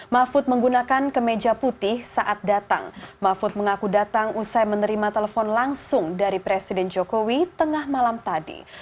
mahfud menggunakan kemeja putih saat datang mahfud mengaku datang usai menerima telepon langsung dari presiden jokowi tengah malam tadi